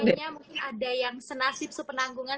kayaknya mungkin ada yang senasib sepenanggungan